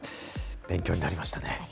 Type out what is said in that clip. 勉強になりましたね。